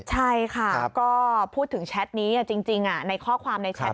ใช่ค่ะก็พูดถึงแชทนี้จริงในข้อความในแชท